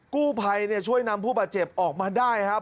กู้ภัยช่วยนำผู้บาดเจ็บออกมาได้ครับ